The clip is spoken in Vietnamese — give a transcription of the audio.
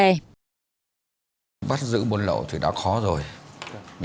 nhưng khi xử lý thì càng khó nhất là bằng hình sự